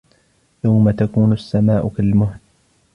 يَوْمَ تَكُونُ السَّمَاءُ كَالْمُهْلِ